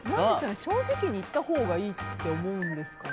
正直に言ったほうがいいと思うんですかね。